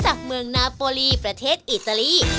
จากเมืองนาโปลีประเทศอิตาลี